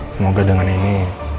semoga dengan ini